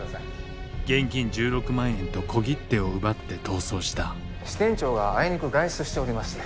現金１６万円と小切手を奪って逃走した支店長があいにく外出しておりまして。